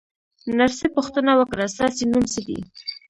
نرسې پوښتنه وکړه: ستاسې نوم څه دی؟